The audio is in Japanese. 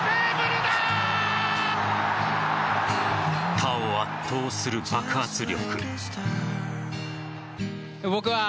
他を圧倒する爆発力。